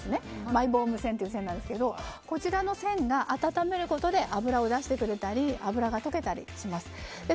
マイボーム腺という腺なんですがこちらの線が温めることで油を出してくれたり油が溶けたりします。